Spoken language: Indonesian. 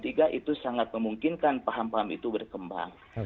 itu sangat memungkinkan paham paham itu berkembang